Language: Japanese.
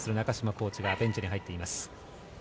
コーチベンチに入っています。